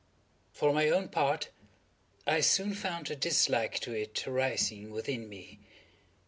For my own part, I soon found a dislike to it arising within me.